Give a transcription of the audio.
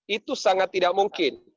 itu sangat tidak memungkinkan